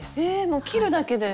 もう切るだけで？